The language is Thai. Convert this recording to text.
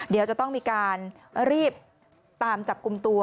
เดี๋ยวจะต้องมีการรีบตามจับกลุ่มตัว